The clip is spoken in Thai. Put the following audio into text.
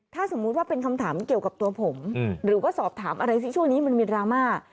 ถ้าสมมุติว่าเป็นคำถามเกี่ยวกับตัวผมหรือว่าสอบถามอะไรสิช่วงนี้มันมีดราม่า